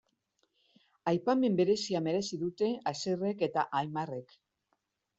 Aipamen berezia merezi dute Asierrek eta Aimarrek.